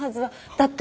だって。